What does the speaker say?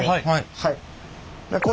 はい。